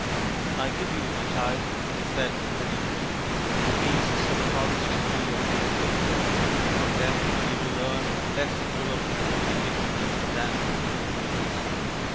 " c I give you, my child/ he said to the infant, ' the beasts of the forest to be your playfellows : from them you will learn less of cruelty and wickedness than from human beings.